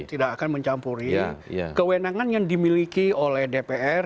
tidak akan mencampuri kewenangan yang dimiliki oleh dpr